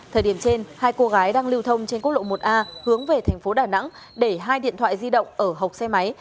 thời điểm trên hai cô gái đang lưu thông trên quốc lộ một a hướng về thành phố đà nẵng để hai điện thoại di động ở hộp xe máy